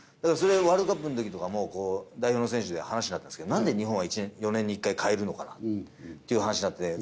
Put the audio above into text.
ワールドカップのときとかも代表の選手で話になったんですが何で日本は４年に１回替えるのかなっていう話になって。